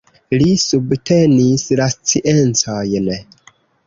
Li subtenis la sciencojn.